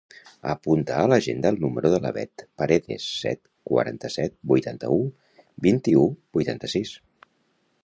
Apunta a l'agenda el número de la Beth Paredes: set, quaranta-set, vuitanta-u, vint-i-u, vuitanta-sis.